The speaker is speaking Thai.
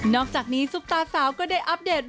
อกจากนี้ซุปตาสาวก็ได้อัปเดต